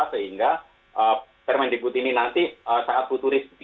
sehingga permendikut ini nanti saat futuris